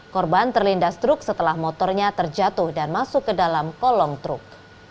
korban terlindas truk setelah motornya terjatuh dan masuk ke dalam kolong truk